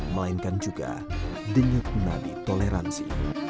melainkan juga denyut nadi toleransi